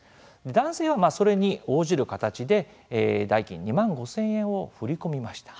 男性は、それに応じる形で代金２万５０００円を振り込みました。